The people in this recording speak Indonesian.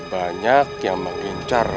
banyak yang mengincar